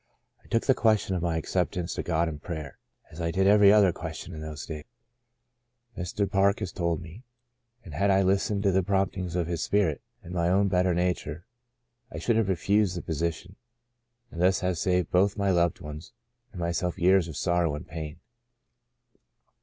" I took the question of my acceptance to God in prayer, as I did every other question in those days,'* Mr. Park has told me, "and had I listened to the promptings of His Spirit and my own better nature, I should have re fused the position and thus saved both my loved ones and myself years of sorrow and pain.